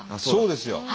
そうですよ。